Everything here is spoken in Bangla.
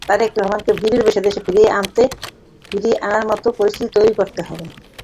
তারেক রহমানকে বীরের বেশে দেশে ফিরিয়ে আনার মতো পরিস্থিতি তৈরি করতে হবে।